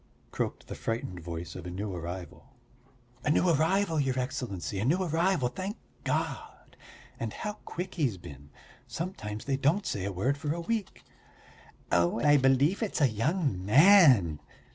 croaked the frightened voice of a new arrival. "A new arrival, your Excellency, a new arrival, thank God! And how quick he's been! Sometimes they don't say a word for a week." "Oh, I believe it's a young man!"